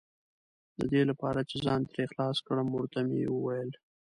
د دې لپاره چې ځان ترې خلاص کړم، ور ته مې وویل.